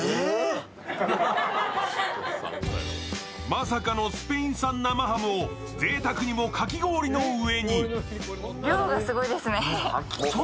まさかのスペイン産生ハムを、ぜいたくにもかき氷の上に。